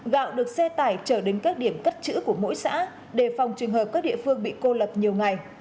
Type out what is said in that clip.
gạo được xe tải trở đến các điểm cất chữ của mỗi xã đề phòng trường hợp các địa phương bị cô lập nhiều ngày